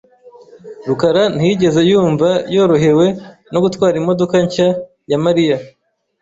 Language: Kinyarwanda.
rukara ntiyigeze yumva yorohewe no gutwara imodoka nshya ya Mariya .